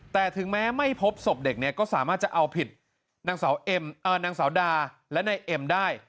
แต่ถึงแม้ไม่พบศพเด็กเนี่ยก็สามารถจะเอาผิดนางสาวดาและนายเอ็มได้